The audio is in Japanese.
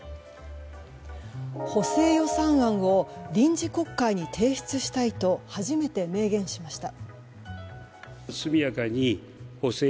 補正予算案を臨時国会に提出したいと初めて明言しました。